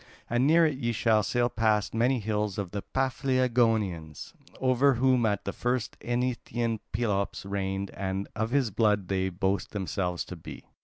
And near it ye will sail past many hills of the Paphlagonians, over whom at the first Eneteian Pelops reigned, and of his blood they boast themselves to be."